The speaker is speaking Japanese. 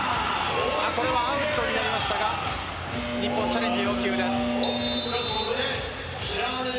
これはアウトになりましたが日本、チャレンジ要求です。